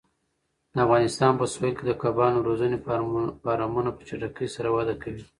د افغانستان په سویل کې د کبانو روزنې فارمونه په چټکۍ سره وده کوي.